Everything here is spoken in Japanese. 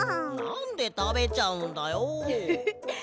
なんでたべちゃうんだよ。ハハハ。